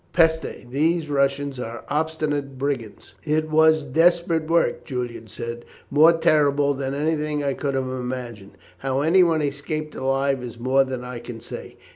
Peste! these Russians are obstinate brigands." "It was desperate work," Julian said, "more terrible than anything I could have imagined. How anyone escaped alive is more than I can say.